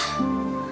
ibu juga nggak salah